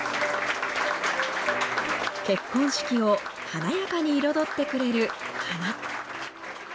結婚式を華やかに彩ってくれる花。